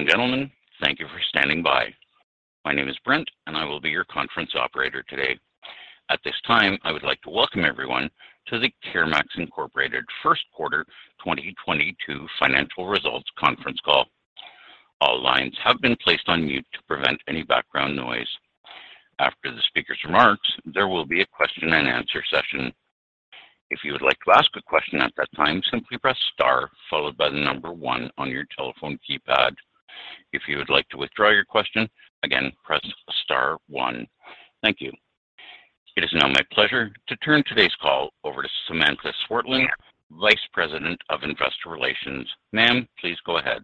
Ladies and gentlemen, thank you for standing by. My name is Brent, and I will be your conference operator today. At this time, I would like to welcome everyone to the CareMax, Inc. First Quarter 2022 financial results conference call. All lines have been placed on mute to prevent any background noise. After the speaker's remarks, there will be a question and answer session. If you would like to ask a question at that time, simply press star followed by the number one on your telephone keypad. If you would like to withdraw your question, again, press star one. Thank you. It is now my pleasure to turn today's call over to Samantha Swerdlin, Vice President of Investor Relations. Ma'am, please go ahead.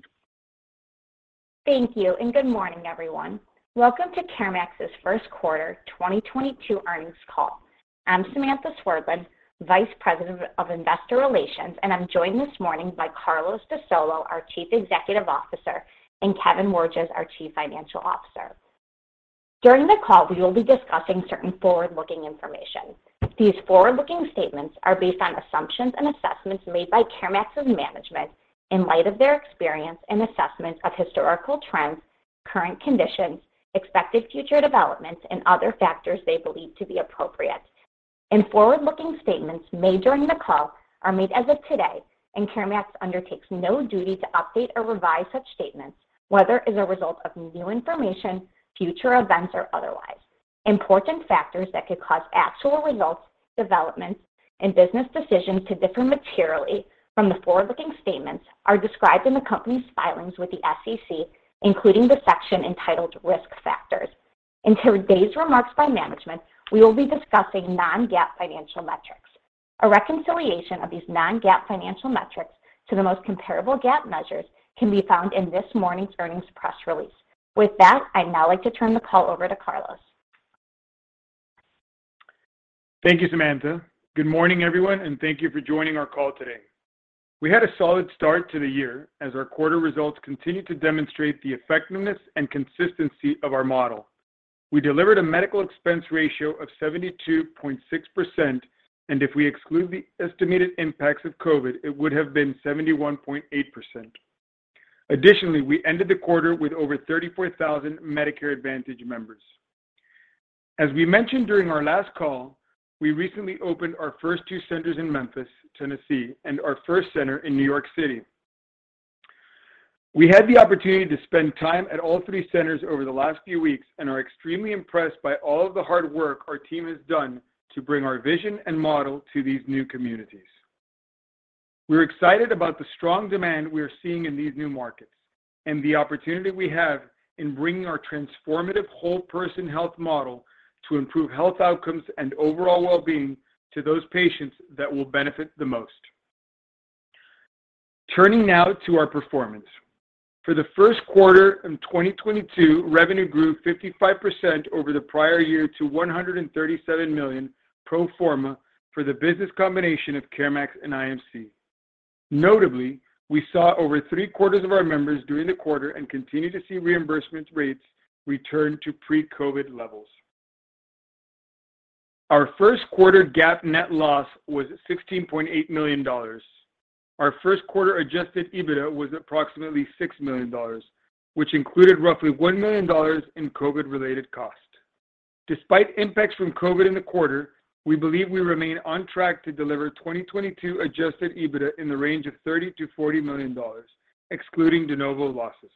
Thank you, and good morning, everyone. Welcome to CareMax's first quarter 2022 earnings call. I'm Samantha Swerdlin, Vice President of Investor Relations, and I'm joined this morning by Carlos de Solo, our Chief Executive Officer, and Kevin Wirges, our Chief Financial Officer. During the call, we will be discussing certain forward-looking information. These forward-looking statements are based on assumptions and assessments made by CareMax's management in light of their experience and assessments of historical trends, current conditions, expected future developments, and other factors they believe to be appropriate. Forward-looking statements made during the call are made as of today, and CareMax undertakes no duty to update or revise such statements, whether as a result of new information, future events, or otherwise. Important factors that could cause actual results, developments, and business decisions to differ materially from the forward-looking statements are described in the company's filings with the SEC, including the section entitled Risk Factors. In today's remarks by management, we will be discussing non-GAAP financial metrics. A reconciliation of these non-GAAP financial metrics to the most comparable GAAP measures can be found in this morning's earnings press release. With that, I'd now like to turn the call over to Carlos. Thank you, Samantha. Good morning, everyone, and thank you for joining our call today. We had a solid start to the year as our quarter results continue to demonstrate the effectiveness and consistency of our model. We delivered a Medical Expense Ratio of 72.6%, and if we exclude the estimated impacts of COVID, it would have been 71.8%. Additionally, we ended the quarter with over 34,000 Medicare Advantage members. As we mentioned during our last call, we recently opened our first two centers in Memphis, Tennessee, and our first center in New York City. We had the opportunity to spend time at all three centers over the last few weeks and are extremely impressed by all of the hard work our team has done to bring our vision and model to these new communities. We're excited about the strong demand we are seeing in these new markets and the opportunity we have in bringing our transformative whole person health model to improve health outcomes and overall well-being to those patients that will benefit the most. Turning now to our performance. For the first quarter in 2022, revenue grew 55% over the prior year to $137 million pro forma for the business combination of CareMax and IMC. Notably, we saw over three quarters of our members during the quarter and continue to see reimbursement rates return to pre-COVID levels. Our first quarter GAAP net loss was $16.8 million. Our first quarter adjusted EBITDA was approximately $6 million, which included roughly $1 million in COVID-related costs. Despite impacts from COVID in the quarter, we believe we remain on track to deliver 2022 adjusted EBITDA in the range of $30 million-$40 million, excluding de novo losses.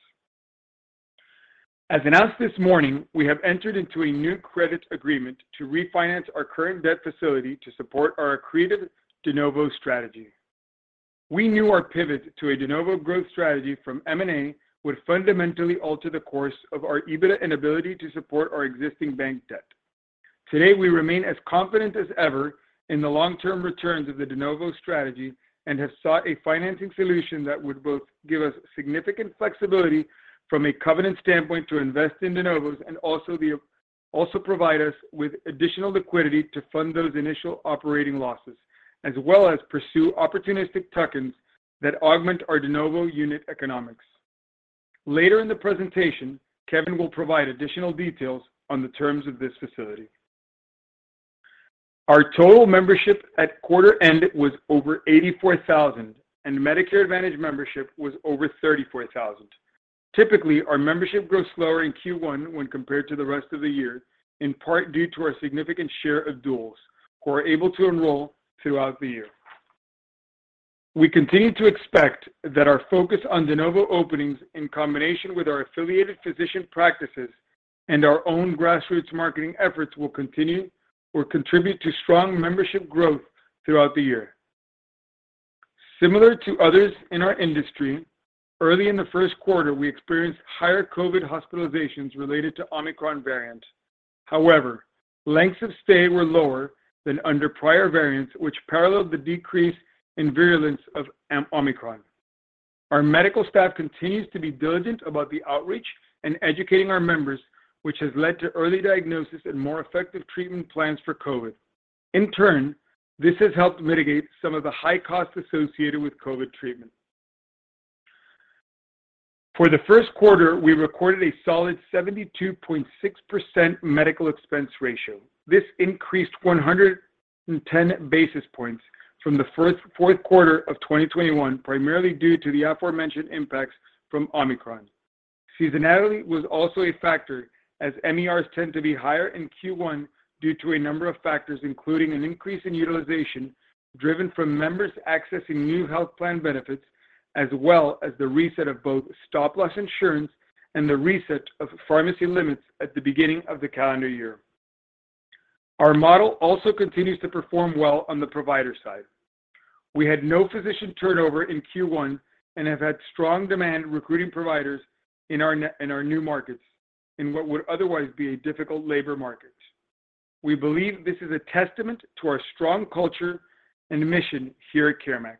As announced this morning, we have entered into a new credit agreement to refinance our current debt facility to support our accretive de novo strategy. We knew our pivot to a de novo growth strategy from M&A would fundamentally alter the course of our EBITDA and ability to support our existing bank debt. Today, we remain as confident as ever in the long-term returns of the de novo strategy and have sought a financing solution that would both give us significant flexibility from a covenant standpoint to invest in de novos and also provide us with additional liquidity to fund those initial operating losses, as well as pursue opportunistic tuck-ins that augment our de novo unit economics. Later in the presentation, Kevin will provide additional details on the terms of this facility. Our total membership at quarter end was over 84,000, and Medicare Advantage membership was over 34,000. Typically, our membership grows slower in Q1 when compared to the rest of the year, in part due to our significant share of duals, who are able to enroll throughout the year. We continue to expect that our focus on de novo openings in combination with our affiliated physician practices and our own grassroots marketing efforts will continue or contribute to strong membership growth throughout the year. Similar to others in our industry, early in the first quarter, we experienced higher COVID hospitalizations related to Omicron variant. However, lengths of stay were lower than under prior variants, which paralleled the decrease in virulence of Omicron. Our medical staff continues to be diligent about the outreach and educating our members, which has led to early diagnosis and more effective treatment plans for COVID. In turn, this has helped mitigate some of the high costs associated with COVID treatment. For the first quarter, we recorded a solid 72.6% Medical Expense Ratio. This increased 110 basis points from the fourth quarter of 2021, primarily due to the aforementioned impacts from Omicron. Seasonality was also a factor as MERs tend to be higher in Q1 due to a number of factors, including an increase in utilization driven from members accessing new health plan benefits, as well as the reset of both stop-loss insurance and the reset of pharmacy limits at the beginning of the calendar year. Our model also continues to perform well on the provider side. We had no physician turnover in Q1 and have had strong demand recruiting providers in our new markets in what would otherwise be a difficult labor market. We believe this is a testament to our strong culture and mission here at CareMax.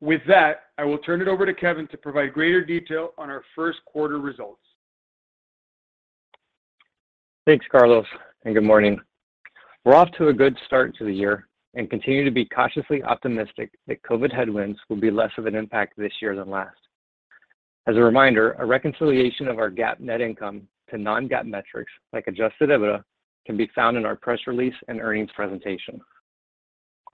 With that, I will turn it over to Kevin to provide greater detail on our first quarter results. Thanks, Carlos, and good morning. We're off to a good start to the year and continue to be cautiously optimistic that COVID headwinds will be less of an impact this year than last. As a reminder, a reconciliation of our GAAP net income to non-GAAP metrics, like adjusted EBITDA, can be found in our press release and earnings presentation.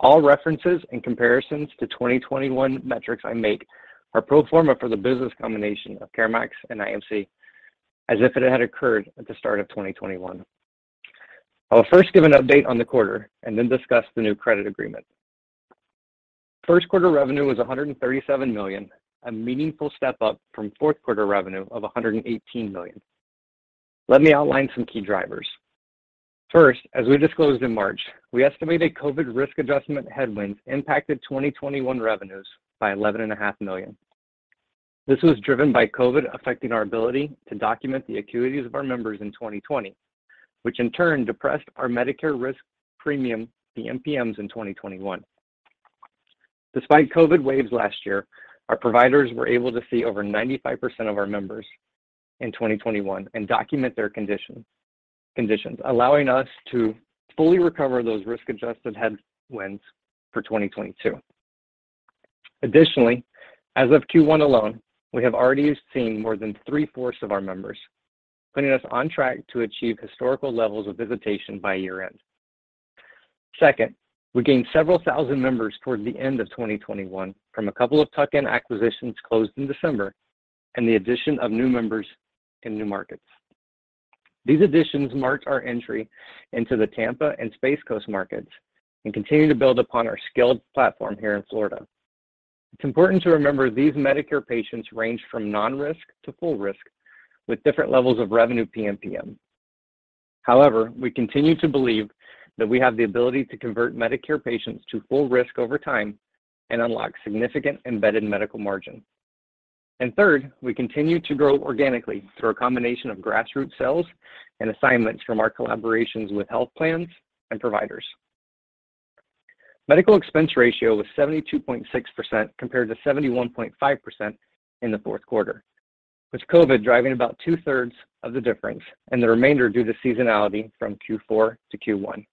All references and comparisons to 2021 metrics I make are pro forma for the business combination of CareMax and IMC as if it had occurred at the start of 2021. I will first give an update on the quarter and then discuss the new credit agreement. First quarter revenue was $137 million, a meaningful step up from fourth quarter revenue of $118 million. Let me outline some key drivers. First, as we disclosed in March, we estimated COVID risk adjustment headwinds impacted 2021 revenues by $11.5 million. This was driven by COVID affecting our ability to document the acuities of our members in 2020, which in turn depressed our Medicare risk premium, the PMPMs in 2021. Despite COVID waves last year, our providers were able to see over 95% of our members in 2021 and document their conditions, allowing us to fully recover those risk-adjusted headwinds for 2022. Additionally, as of Q1 alone, we have already seen more than three-fourths of our members, putting us on track to achieve historical levels of visitation by year-end. Second, we gained several thousand members toward the end of 2021 from a couple of tuck-in acquisitions closed in December and the addition of new members in new markets. These additions marked our entry into the Tampa and Space Coast markets and continue to build upon our skilled platform here in Florida. It's important to remember these Medicare patients range from non-risk to full risk with different levels of revenue PMPM. However, we continue to believe that we have the ability to convert Medicare patients to full risk over time and unlock significant embedded medical margin. Third, we continue to grow organically through a combination of grassroots sales and assignments from our collaborations with health plans and providers. Medical Expense Ratio was 72.6% compared to 71.5% in the fourth quarter, with COVID driving about two-thirds of the difference and the remainder due to seasonality from Q4 to Q1.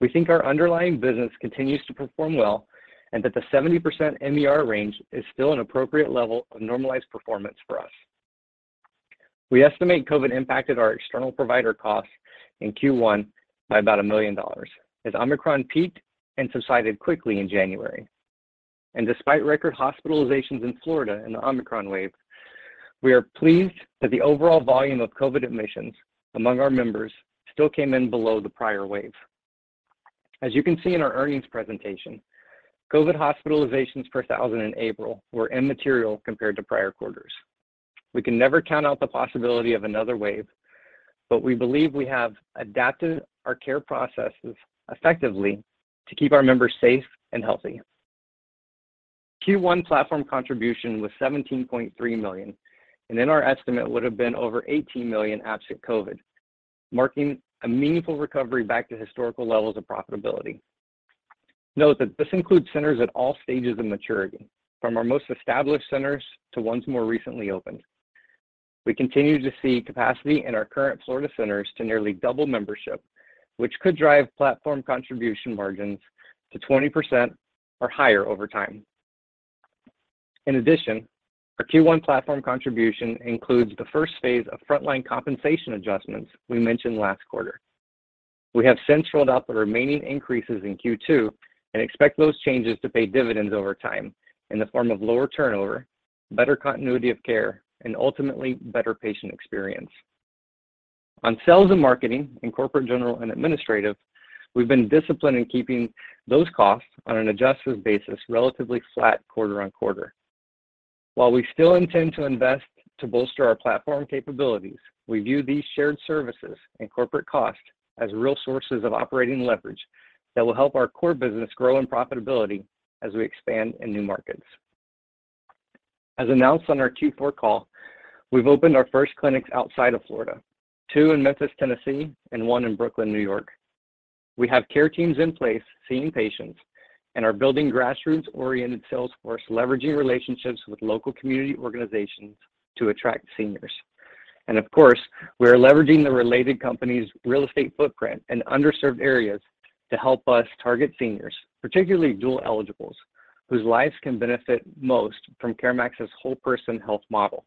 We think our underlying business continues to perform well and that the 70% MER range is still an appropriate level of normalized performance for us. We estimate COVID impacted our external provider costs in Q1 by about $1 million as Omicron peaked and subsided quickly in January. Despite record hospitalizations in Florida in the Omicron wave, we are pleased that the overall volume of COVID admissions among our members still came in below the prior wave. As you can see in our earnings presentation, COVID hospitalizations per 1,000 in April were immaterial compared to prior quarters. We can never count out the possibility of another wave, but we believe we have adapted our care processes effectively to keep our members safe and healthy. Q1 Platform Contribution was $17.3 million, and in our estimate would have been over $18 million absent COVID, marking a meaningful recovery back to historical levels of profitability. Note that this includes centers at all stages of maturity, from our most established centers to ones more recently opened. We continue to see capacity in our current Florida centers to nearly double membership, which could drive Platform Contribution margins to 20% or higher over time. In addition, our Q1 Platform Contribution includes the first phase of frontline compensation adjustments we mentioned last quarter. We have since rolled out the remaining increases in Q2 and expect those changes to pay dividends over time in the form of lower turnover, better continuity of care, and ultimately, better patient experience. On sales and marketing, and corporate general and administrative, we've been disciplined in keeping those costs on an adjusted basis relatively flat quarter-over-quarter. While we still intend to invest to bolster our platform capabilities, we view these shared services and corporate costs as real sources of operating leverage that will help our core business grow in profitability as we expand in new markets. As announced on our Q4 call, we've opened our first clinics outside of Florida, two in Memphis, Tennessee, and one in Brooklyn, New York. We have care teams in place seeing patients and are building grassroots-oriented sales force leveraging relationships with local community organizations to attract seniors. Of course, we are leveraging the Related Companies' real estate footprint in underserved areas to help us target seniors, particularly dual eligibles, whose lives can benefit most from CareMax's whole person health model.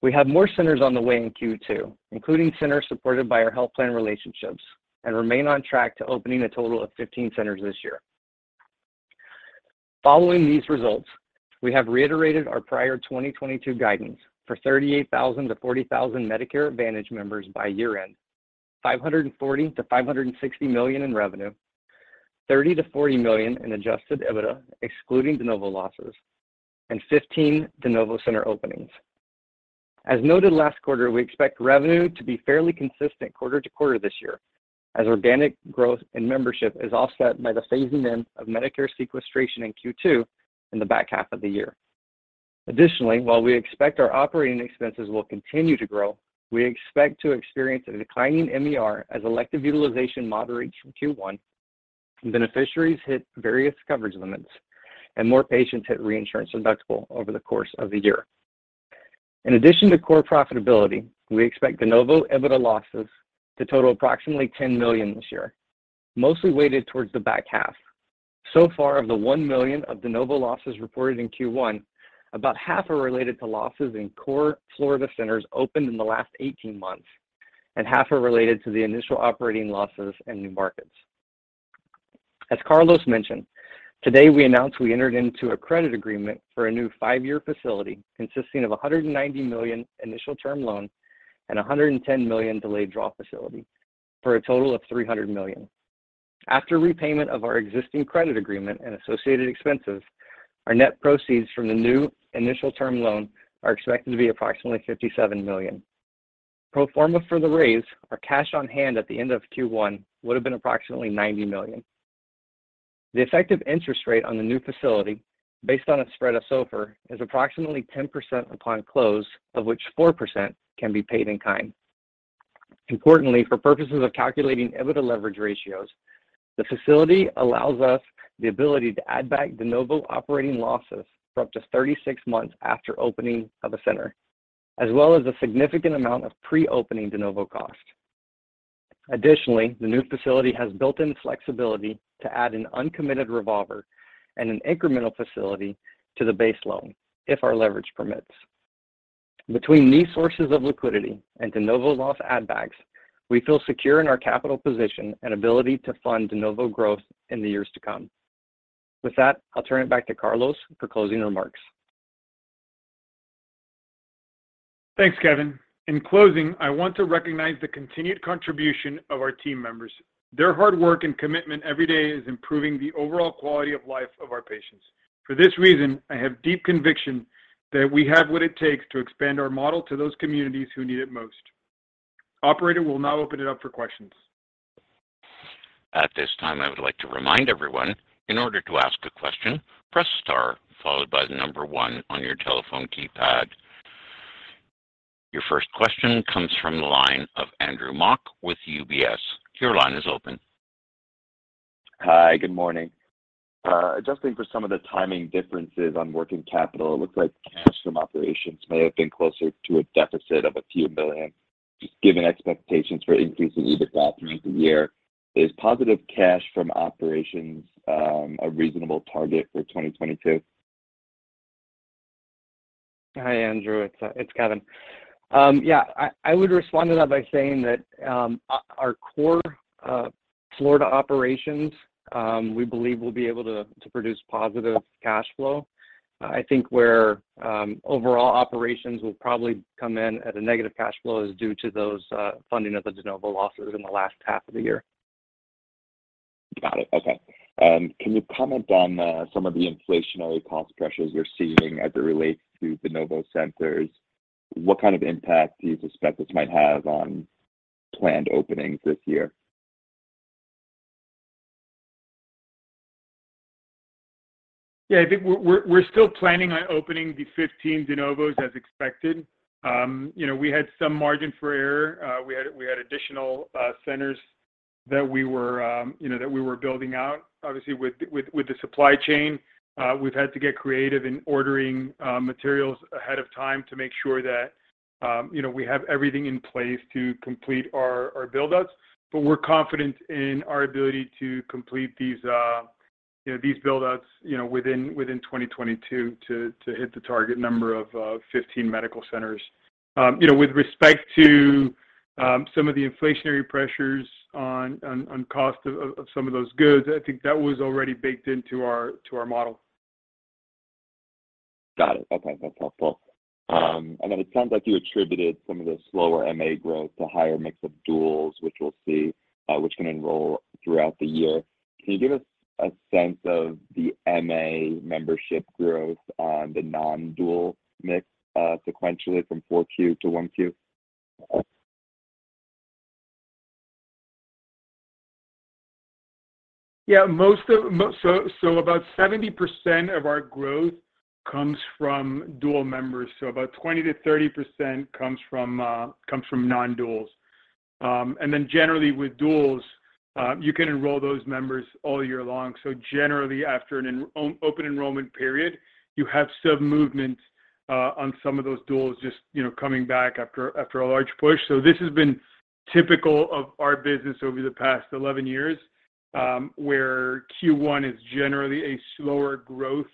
We have more centers on the way in Q2, including centers supported by our health plan relationships, and remain on track to opening a total of 15 centers this year. Following these results, we have reiterated our prior 2022 guidance for 38,000-40,000 Medicare Advantage members by year-end, $540 million-$560 million in revenue, $30 million-$40 million in adjusted EBITDA excluding de novo losses, and 15 de novo center openings. As noted last quarter, we expect revenue to be fairly consistent quarter to quarter this year as organic growth and membership is offset by the phasing in of Medicare sequestration in Q2 in the back half of the year. Additionally, while we expect our operating expenses will continue to grow, we expect to experience a declining MER as elective utilization moderates from Q1, beneficiaries hit various coverage limits, and more patients hit reinsurance deductible over the course of the year. In addition to core profitability, we expect de novo EBITDA losses to total approximately $10 million this year, mostly weighted towards the back half. So far of the $1 million of de novo losses reported in Q1, about half are related to losses in core Florida centers opened in the last 18 months, and half are related to the initial operating losses in new markets. As Carlos mentioned, today we announced we entered into a credit agreement for a new 5-year facility consisting of $190 million initial term loan and $110 million delayed draw facility, for a total of $300 million. After repayment of our existing credit agreement and associated expenses, our net proceeds from the new initial term loan are expected to be approximately $57 million. Pro forma for the raise, our cash on hand at the end of Q1 would have been approximately $90 million. The effective interest rate on the new facility based on a spread of SOFR is approximately 10% upon close, of which 4% can be paid in kind. Importantly, for purposes of calculating EBITDA leverage ratios, the facility allows us the ability to add back de novo operating losses for up to 36 months after opening of a center, as well as a significant amount of pre-opening de novo cost. Additionally, the new facility has built-in flexibility to add an uncommitted revolver and an incremental facility to the base loan if our leverage permits. Between these sources of liquidity and de novo loss add backs, we feel secure in our capital position and ability to fund de novo growth in the years to come. With that, I'll turn it back to Carlos for closing remarks. Thanks, Kevin. In closing, I want to recognize the continued contribution of our team members. Their hard work and commitment every day is improving the overall quality of life of our patients. For this reason, I have deep conviction that we have what it takes to expand our model to those communities who need it most. Operator, we'll now open it up for questions. At this time, I would like to remind everyone, in order to ask a question, press star followed by the number one on your telephone keypad. Your first question comes from the line of Andrew Mok with UBS. Your line is open. Hi. Good morning. Adjusting for some of the timing differences on working capital, it looks like cash from operations may have been closer to a deficit of $a few million. Given expectations for increasing EBITDA throughout the year, is positive cash from operations a reasonable target for 2022? Hi, Andrew. It's Kevin. Yeah, I would respond to that by saying that our core Florida operations, we believe, will be able to produce positive cash flow. I think where overall operations will probably come in at a negative cash flow is due to those funding of the de novo losses in the last half of the year. Got it. Okay. Can you comment on some of the inflationary cost pressures you're seeing as it relates to de novo centers? What kind of impact do you suspect this might have on planned openings this year? Yeah. I think we're still planning on opening the 15 de novos as expected. You know, we had some margin for error. We had additional centers that we were, you know, building out. Obviously, with the supply chain, we've had to get creative in ordering materials ahead of time to make sure that, you know, we have everything in place to complete our build-outs. We're confident in our ability to complete these, you know, build-outs, you know, within 2022 to hit the target number of 15 medical centers. You know, with respect to some of the inflationary pressures on cost of some of those goods, I think that was already baked into our model. Got it. Okay. That's helpful. It sounds like you attributed some of the slower MA growth to higher mix of duals, which we'll see, which can enroll throughout the year. Can you give us a sense of the MA membership growth on the non-dual mix, sequentially from 4Q to 1Q? Most of our growth comes from dual members. About 20%-30% comes from non-duals. Generally with duals, you can enroll those members all year long. Generally after an open enrollment period, you have some movement on some of those duals just, you know, coming back after a large push. This has been typical of our business over the past 11 years. Q1 is generally a slower growth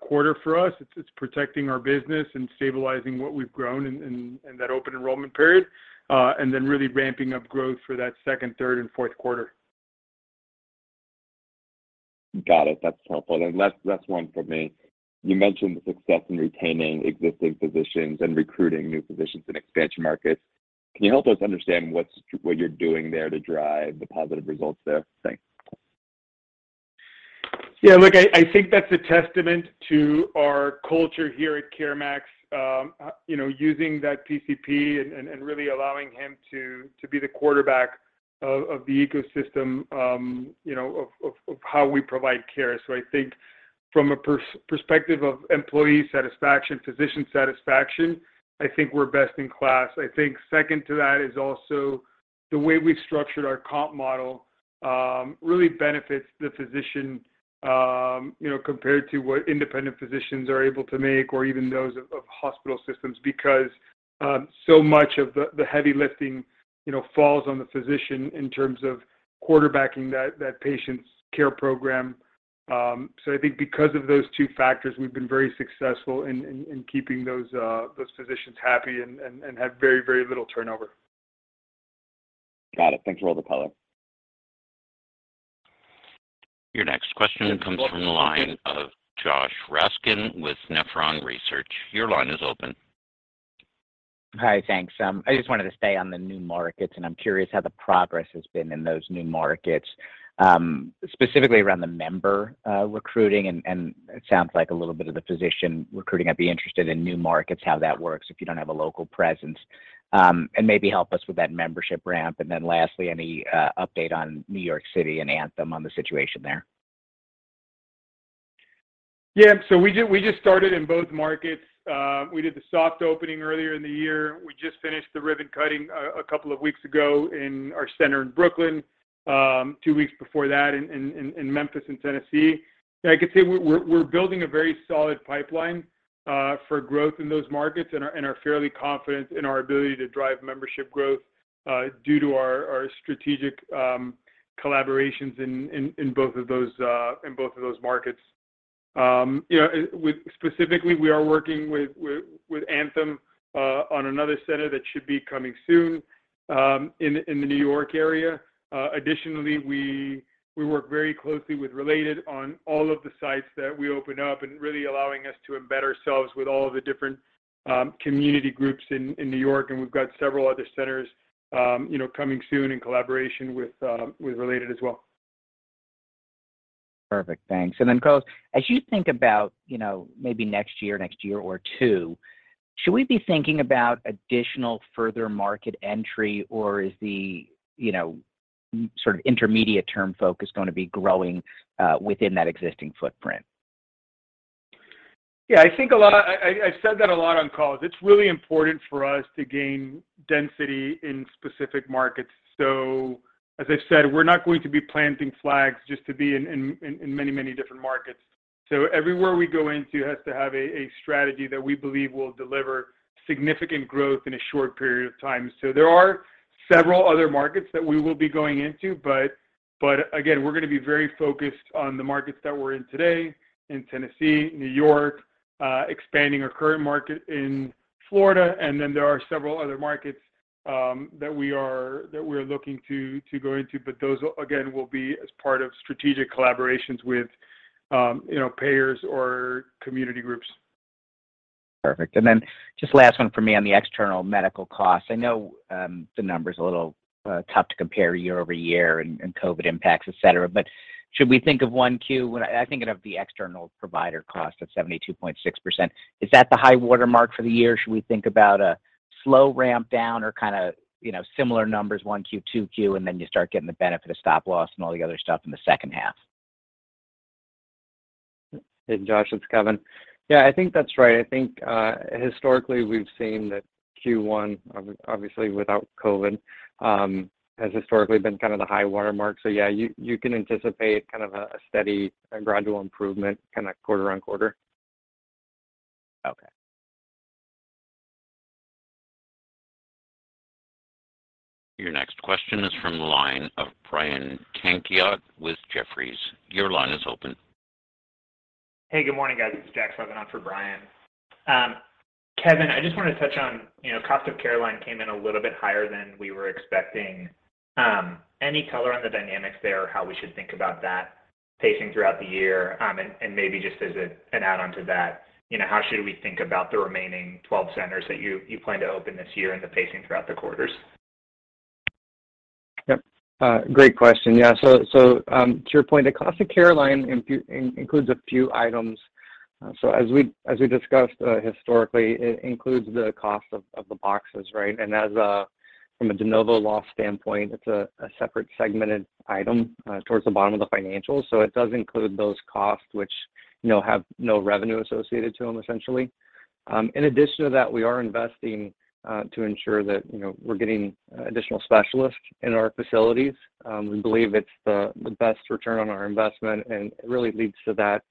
quarter for us. It's protecting our business and stabilizing what we've grown in that open enrollment period, and then really ramping up growth for that second, third and fourth quarter. Got it. That's helpful. Last one from me. You mentioned the success in retaining existing physicians and recruiting new physicians in expansion markets. Can you help us understand what you're doing there to drive the positive results there? Thanks. Yeah, look, I think that's a testament to our culture here at CareMax, you know, using that PCP and really allowing him to be the quarterback of the ecosystem, you know, of how we provide care. I think from a perspective of employee satisfaction, physician satisfaction, I think we're best in class. I think second to that is also the way we've structured our comp model, really benefits the physician, you know, compared to what independent physicians are able to make or even those of hospital systems because so much of the heavy lifting, you know, falls on the physician in terms of quarterbacking that patient's care program. I think because of those two factors, we've been very successful in keeping those physicians happy and have very little turnover. Got it. Thanks for all the color. Your next question comes from the line of Josh Raskin with Nephron Research. Your line is open. Hi. Thanks. I just wanted to stay on the new markets, and I'm curious how the progress has been in those new markets, specifically around the member recruiting and it sounds like a little bit of the physician recruiting. I'd be interested in new markets, how that works if you don't have a local presence. Maybe help us with that membership ramp, and then lastly, any update on New York City and Anthem on the situation there? Yeah. We just started in both markets. We did the soft opening earlier in the year. We just finished the ribbon cutting a couple of weeks ago in our center in Brooklyn, two weeks before that in Memphis, Tennessee. I could say we're building a very solid pipeline for growth in those markets and are fairly confident in our ability to drive membership growth due to our strategic collaborations in both of those markets. You know, with... Specifically, we are working with Anthem on another center that should be coming soon in the New York area. Additionally, we work very closely with Related on all of the sites that we open up and really allowing us to embed ourselves with all of the different community groups in New York, and we've got several other centers, you know, coming soon in collaboration with Related as well. Perfect. Thanks. Carlos, as you think about, you know, maybe next year or two, should we be thinking about additional further market entry, or is the, you know, sort of intermediate term focus gonna be growing within that existing footprint? Yeah, I think a lot. I said that a lot on calls. It's really important for us to gain density in specific markets. As I said, we're not going to be planting flags just to be in many different markets. Everywhere we go into has to have a strategy that we believe will deliver significant growth in a short period of time. There are several other markets that we will be going into, but again, we're gonna be very focused on the markets that we're in today in Tennessee, New York, expanding our current market in Florida. There are several other markets that we are looking to go into, but those again will be as part of strategic collaborations with you know, payers or community groups. Perfect. Just last one for me on the external medical costs. I know the number's a little tough to compare year-over-year and COVID impacts, etc., but should we think of 1Q. I think of the external provider cost of 72.6%. Is that the high watermark for the year? Should we think about a slow ramp down or kinda, you know, similar numbers, 1Q, 2Q, and then you start getting the benefit of stop loss and all the other stuff in the second half? Hey, Josh, it's Kevin. Yeah, I think that's right. I think, historically, we've seen that Q1 obviously without COVID, has historically been kind of the high watermark. Yeah, you can anticipate kind of a steady gradual improvement kinda quarter-over-quarter. Okay. Your next question is from the line of Brian Tanquilut with Jefferies. Your line is open. Hey, good morning, guys. It's Jack Slevin on for Brian. Kevin, I just wanna touch on, you know, cost of care line came in a little bit higher than we were expecting. Any color on the dynamics there, how we should think about that pacing throughout the year? Maybe just as an add-on to that, you know, how should we think about the remaining 12 centers that you plan to open this year and the pacing throughout the quarters? Great question. To your point, the cost of care line includes a few items. As we discussed, historically, it includes the cost of the boxes, right? From a de novo loss standpoint, it's a separate segmented item towards the bottom of the financials. It does include those costs which, you know, have no revenue associated to them, essentially. In addition to that, we are investing to ensure that, you know, we're getting additional specialists in our facilities. We believe it's the best return on our investment, and it really leads to that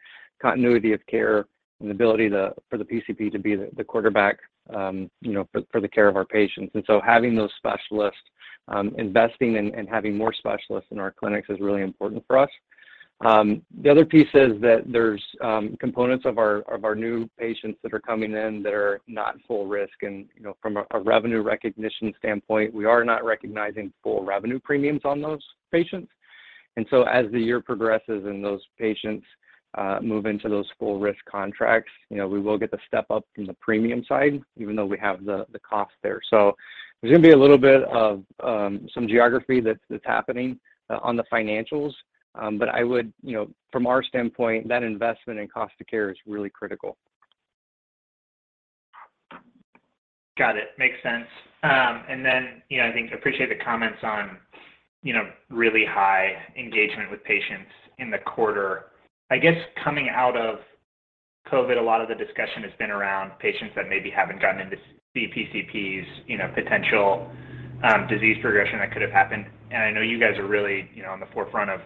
continuity of care and ability for the PCP to be the quarterback, you know, for the care of our patients. Having those specialists, investing and having more specialists in our clinics is really important for us. The other piece is that there's components of our new patients that are coming in that are not full risk. You know, from a revenue recognition standpoint, we are not recognizing full revenue premiums on those patients. As the year progresses and those patients move into those full risk contracts, you know, we will get the step up from the premium side even though we have the cost there. There's gonna be a little bit of some geography that's happening on the financials. I would, you know, from our standpoint, that investment in cost of care is really critical. Got it. Makes sense. You know, I think appreciate the comments on, you know, really high engagement with patients in the quarter. I guess coming out of COVID, a lot of the discussion has been around patients that maybe haven't gotten into PCPs, you know, potential disease progression that could have happened. I know you guys are really, you know, on the forefront of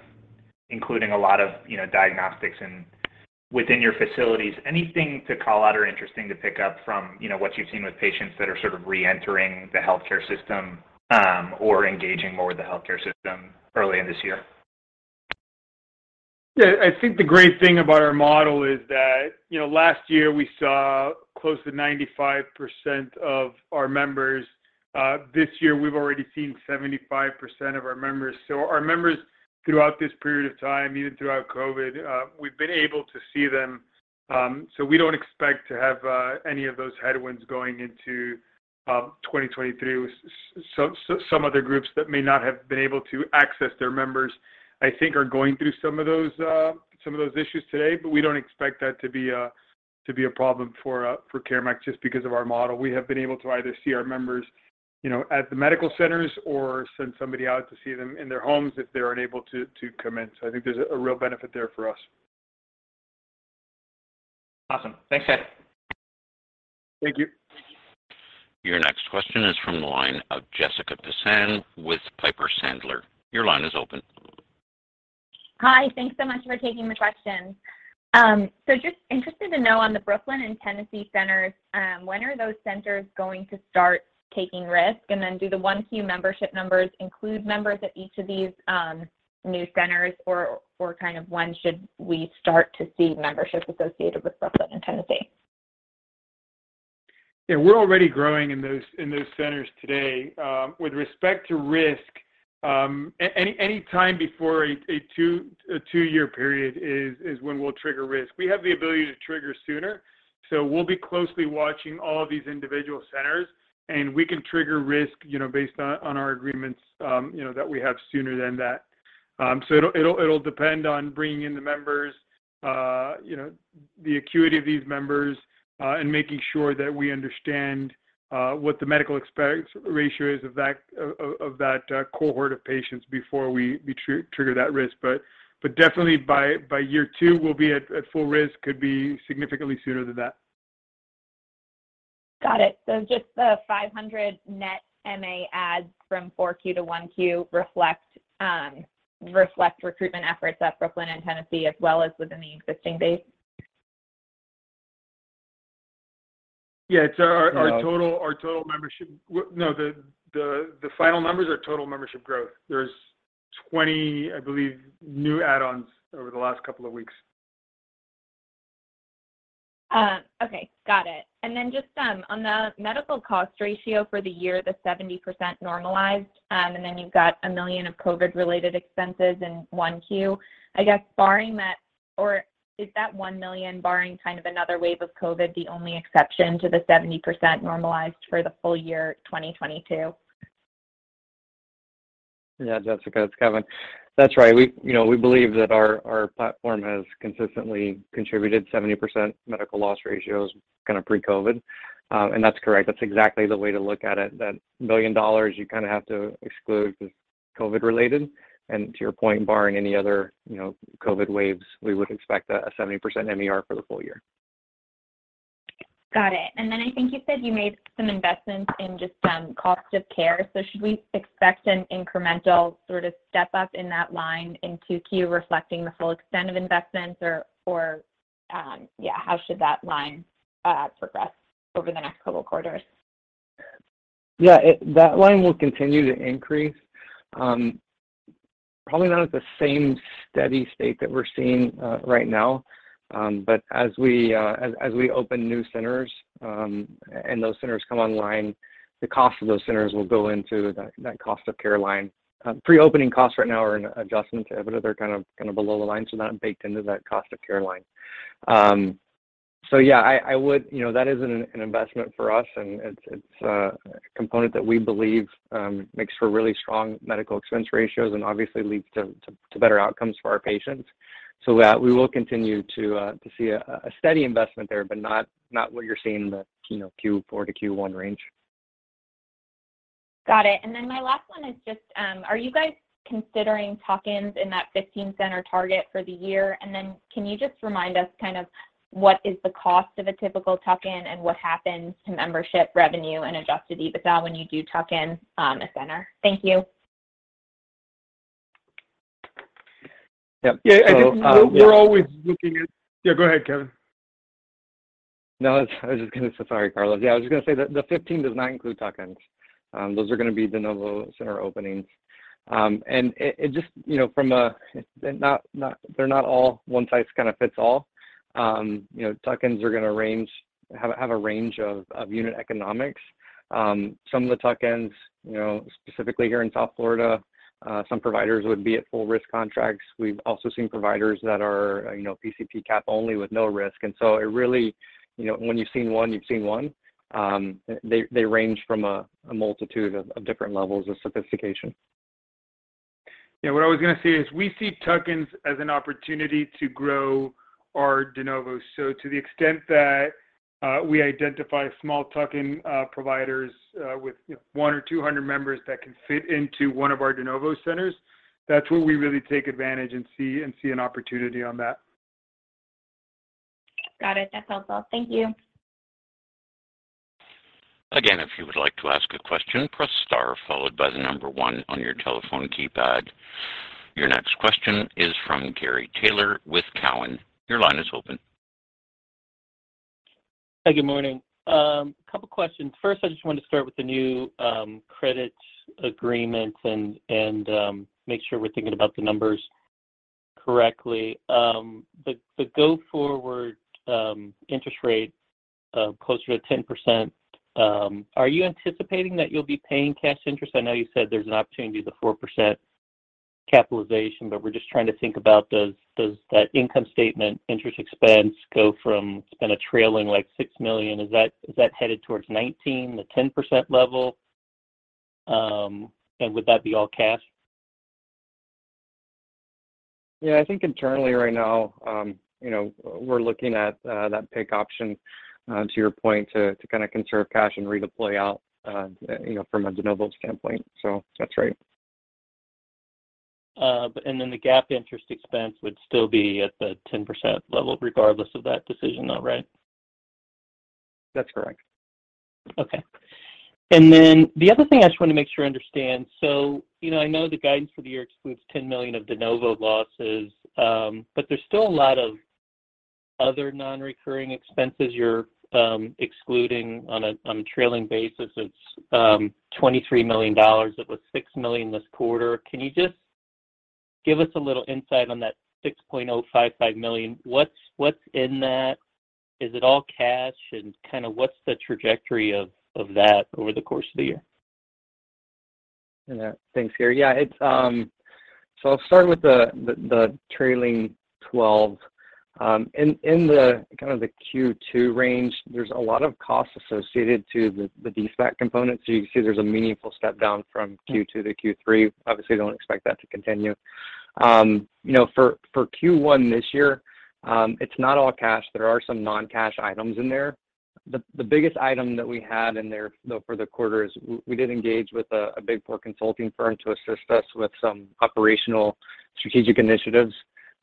including a lot of, you know, diagnostics and within your facilities. Anything to call out or interesting to pick up from, you know, what you've seen with patients that are sort of reentering the healthcare system, or engaging more with the healthcare system early in this year? Yeah. I think the great thing about our model is that, you know, last year we saw close to 95% of our members. This year we've already seen 75% of our members. Our members throughout this period of time, even throughout COVID, we've been able to see them. We don't expect to have any of those headwinds going into 2023. Some other groups that may not have been able to access their members, I think are going through some of those issues today. We don't expect that to be a problem for CareMax just because of our model. We have been able to either see our members, you know, at the medical centers or send somebody out to see them in their homes if they're unable to come in. I think there's a real benefit there for us. Awesome. Thanks, guys. Thank you. Your next question is from the line of Jessica Tassan with Piper Sandler. Your line is open. Hi. Thanks so much for taking the question. Just interested to know on the Brooklyn and Tennessee centers, when are those centers going to start taking risk? Do the 1Q membership numbers include members at each of these new centers or kind of when should we start to see membership associated with Brooklyn and Tennessee? Yeah. We're already growing in those centers today. With respect to risk, any time before a two-year period is when we'll trigger risk. We have the ability to trigger sooner, so we'll be closely watching all of these individual centers, and we can trigger risk, you know, based on our agreements, you know, that we have sooner than that. It'll depend on bringing in the members, you know, the acuity of these members, and making sure that we understand what the Medical Expense Ratio is of that cohort of patients before we trigger that risk. Definitely by year two, we'll be at full risk, could be significantly sooner than that. Got it. Just the 500 net MA adds from 4Q to 1Q reflect recruitment efforts at Brooklyn and Tennessee as well as within the existing base? Yeah. It's our total. Yeah our total membership. The final numbers are total membership growth. There's 20, I believe, new add-ons over the last couple of weeks. Okay. Got it. Just on the medical expense ratio for the year, the 70% normalized, and then you've got $1 million of COVID-related expenses in one Q. I guess barring that or is that $1 million barring kind of another wave of COVID the only exception to the 70% normalized for the full year 2022? Yeah, Jessica, it's Kevin. That's right. We, you know, we believe that our platform has consistently contributed 70% medical loss ratios kind of pre-COVID. That's correct. That's exactly the way to look at it. That $1 million you kinda have to exclude 'cause COVID related. To your point, barring any other, you know, COVID waves, we would expect a 70% MER for the full year. Got it. Then I think you said you made some investments in just, cost of care. Should we expect an incremental sort of step up in that line in 2Q reflecting the full extent of investments or, yeah, how should that line progress over the next couple quarters? Yeah, that line will continue to increase, probably not at the same steady state that we're seeing right now. As we open new centers and those centers come online, the cost of those centers will go into that cost of care line. Pre-opening costs right now are an adjustment to EBITDA. They're kind of below the line, so not baked into that cost of care line. You know, that is an investment for us, and it's a component that we believe makes for really strong medical expense ratios and obviously leads to better outcomes for our patients. That we will continue to see a steady investment there, but not what you're seeing in the, you know, Q4 to Q1 range. Got it. My last one is just, are you guys considering tuck-ins in that 15 center target for the year? Can you just remind us kind of what is the cost of a typical tuck-in and what happens to membership revenue and adjusted EBITDA when you do tuck-in, a center? Thank you. Yep. Yeah. I think we're always looking at. Yeah, go ahead, Kevin. No, I was just gonna. So sorry, Carlos de Solo. Yeah, I was just gonna say that the 15 does not include tuck-ins. Those are gonna be de novo center openings. It just, you know, they're not all one size kinda fits all. You know, tuck-ins are gonna have a range of unit economics. Some of the tuck-ins, you know, specifically here in South Florida, some providers would be at full risk contracts. We've also seen providers that are, you know, PCP cap only with no risk. It really, you know, when you've seen one, you've seen one. They range from a multitude of different levels of sophistication. Yeah, what I was gonna say is we see tuck-ins as an opportunity to grow our de novo. To the extent that we identify small tuck-in providers with 100 or 200 members that can fit into one of our de novo centers, that's where we really take advantage and see an opportunity on that. Got it. That helps a lot. Thank you. Again, if you would like to ask a question, press star followed by the number one on your telephone keypad. Your next question is from Gary Taylor with Cowen. Your line is open. Hi, good morning. A couple questions. First, I just wanted to start with the new credit agreement and make sure we're thinking about the numbers correctly. The go forward interest rate closer to 10%, are you anticipating that you'll be paying cash interest? I know you said there's an opportunity, the 4% capitalization, but we're just trying to think about does that income statement interest expense go from, it's been a trailing, like $6 million. Is that headed towards $19 million, the 10% level? Would that be all cash? Yeah, I think internally right now, you know, we're looking at that PIK option, to your point, to kinda conserve cash and redeploy out, you know, from a de novo's standpoint. That's right. The GAAP interest expense would still be at the 10% level regardless of that decision, though, right? That's correct. Okay. The other thing I just wanna make sure I understand. You know, I know the guidance for the year excludes $10 million of de novo losses, but there's still a lot of other non-recurring expenses you're excluding on a trailing basis. It's $23 million. It was $6 million this quarter. Can you just give us a little insight on that $6.055 million? What's in that? Is it all cash? And kinda what's the trajectory of that over the course of the year? Thanks, Gary. It's the trailing twelve. In the kind of the Q2 range, there's a lot of costs associated to the deSPAC component. You can see there's a meaningful step down from Q2 to Q3. Obviously, don't expect that to continue. You know, for Q1 this year, it's not all cash. There are some non-cash items in there. The biggest item that we had in there, though, for the quarter is we did engage with a big four consulting firm to assist us with some operational strategic initiatives.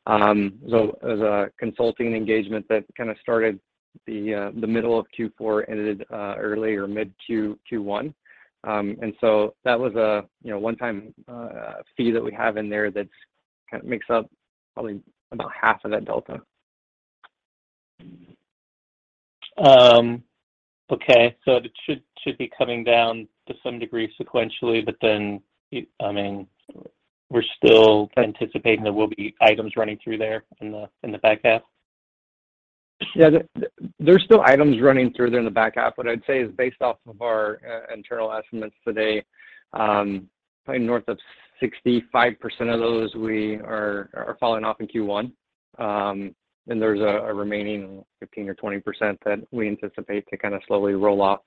As a consulting engagement that kinda started the middle of Q4, ended early or mid Q1. That was a, you know, one-time fee that we have in there that's kinda makes up probably about half of that delta. It should be coming down to some degree sequentially, but then, I mean, we're still anticipating there will be items running through there in the back half? Yeah. There's still items running through there in the back half. What I'd say is based off of our internal estimates today, probably north of 65% of those are falling off in Q1. There's a remaining 15%-20% that we anticipate to kinda slowly roll off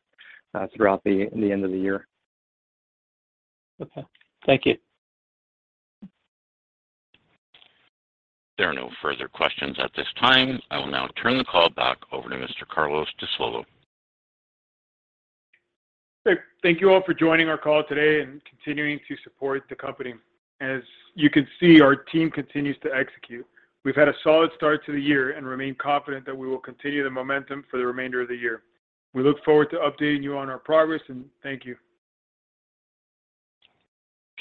throughout the end of the year. Okay. Thank you. There are no further questions at this time. I will now turn the call back over to Mr. Carlos de Solo. Great. Thank you all for joining our call today and continuing to support the company. As you can see, our team continues to execute. We've had a solid start to the year and remain confident that we will continue the momentum for the remainder of the year. We look forward to updating you on our progress, and thank you.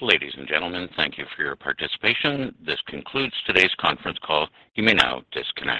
Ladies and gentlemen, thank you for your participation. This concludes today's conference call. You may now disconnect.